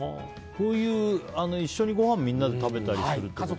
こういう一緒にごはんみんなで食べたりするって。